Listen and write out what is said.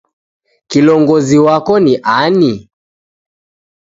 Kilongozi wako ni ani?